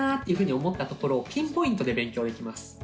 いうふうに思ったところをピンポイントで勉強できます。